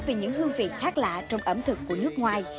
về những hương vị khác lạ trong ẩm thực của nước ngoài